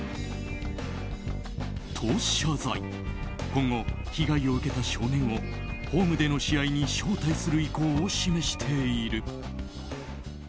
今後、被害を受けた少年をホームでの試合に招待する意向を示している。